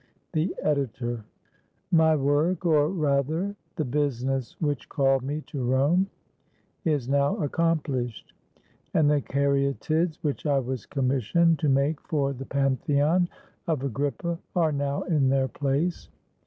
The Editor.] My work, or rather, the business which called me to Rome, is now accomplished, and the Caryatids which I was commissioned to make for the Pantheon of Agrippa are now in their place.